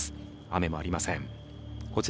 雨もありません。